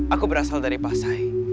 aku berasal dari pasai